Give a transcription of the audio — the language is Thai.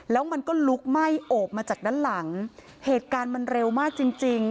แล้วมันก็ลุกไหม้โอบมาจากด้านหลังเหตุการณ์มันเร็วมากจริงจริง